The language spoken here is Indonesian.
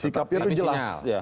sikapnya itu jelas